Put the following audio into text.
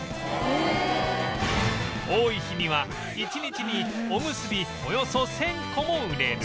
多い日には１日におむすびおよそ１０００個も売れる